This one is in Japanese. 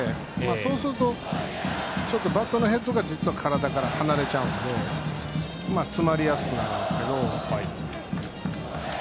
そうするとバットのヘッドが体から離れちゃうので詰まりやすくなるんですけど。